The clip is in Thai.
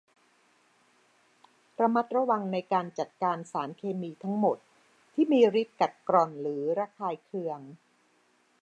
ระมัดระวังในการจัดการสารเคมีทั้งหมดที่มีฤทธิ์กัดกร่อนหรือระคายเคือง